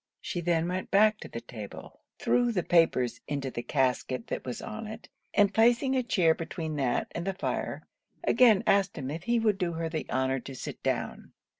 She then went back to the table; threw the papers into the casket that was on it; and placing a chair between that and the fire, again asked him if he would do her the honour to sit down.